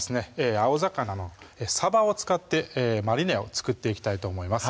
青魚のさばを使ってマリネを作っていきたいと思います